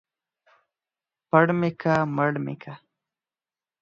پړ مې که ، مړ مې که.